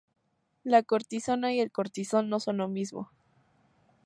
La cortisona y el cortisol no son lo mismo.